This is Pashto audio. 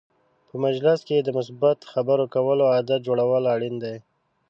په مجلس کې د مثبت خبرو کولو عادت جوړول اړین دي.